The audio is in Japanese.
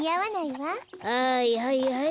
はいはいはい。